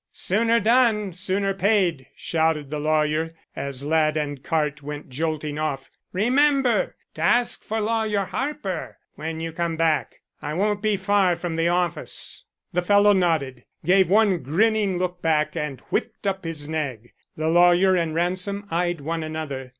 "Sooner done, sooner paid," shouted the lawyer, as lad and cart went jolting off. "Remember to ask for Lawyer Harper when you come back. I won't be far from the office." The fellow nodded; gave one grinning look back and whipped up his nag. The lawyer and Ransom eyed one another.